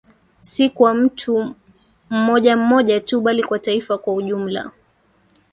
Si kwa mtu mmoja mmoja tu bali kwa Taifa kwa ujumla